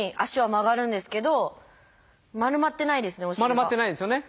丸まってないんですよね